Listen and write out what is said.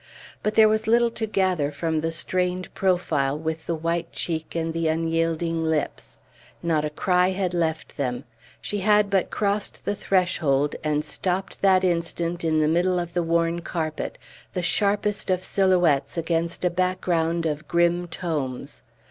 But there was little to gather from the strained profile with the white cheek and the unyielding lips. Not a cry had left them; she had but crossed the threshold, and stopped that instant in the middle of the worn carpet, the sharpest of silhouettes against a background of grim tomes.